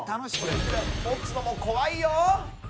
持つのも怖いよ。